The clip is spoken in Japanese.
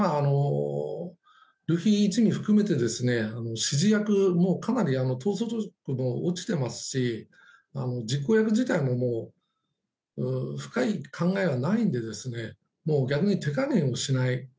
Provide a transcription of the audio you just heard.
ルフィ一味含めて指示役、もうかなり統率力が落ちていますし実行役自体も深い考えはないので逆に手加減をしない。